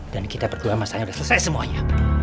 dan kita berdua masalahnya udah selesai semuanya